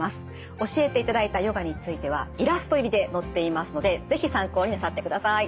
教えていただいたヨガについてはイラスト入りで載っていますので是非参考になさってください。